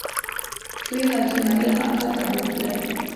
دوی حاجي مریم اکا ته بوتلل.